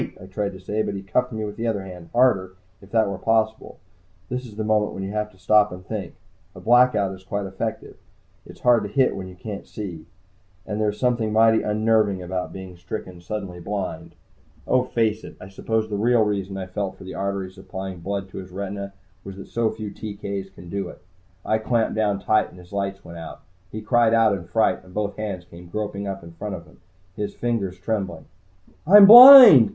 I tried to say, but he cuffed me with the other hand, harder, if that were possible. This is the moment when you have to stop and think. A Blackout is quite effective it's hard to hit what you can't see. And there's something mighty unnerving about being stricken suddenly blind. Oh, face it, I suppose the real reason I felt for the arteries supplying blood to his retinas was that so few TK's can do it. I clamped down tight, and his lights went out. He cried out in fright, and both hands came groping up in front of him, his fingers trembling. "I'm blind!"